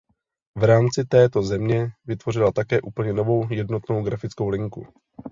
V rámci této změny vytvořila také úplně novou jednotnou grafickou linku.